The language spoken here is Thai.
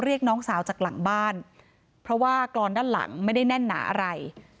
เรียกน้องสาวจากหลังบ้านเพราะว่ากรอนด้านหลังไม่ได้แน่นหนาอะไร